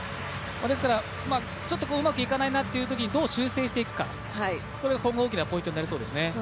ちょっとうまくいかないなというときにどう修正していくかが大きなポイントになりそうですね。